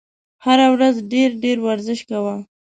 هره ورځ ډېر ډېر ورزش کوه !